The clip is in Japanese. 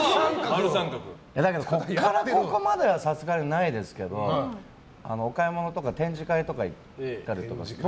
ここからここまではさすがにないですけどお買い物とか展示会とか行ったりすると。